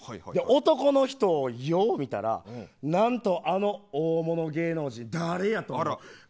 男の人をよく見たら何と、あの大物芸能人誰やと思います。